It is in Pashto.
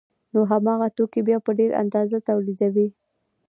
نو هماغه توکي بیا په ډېره اندازه تولیدوي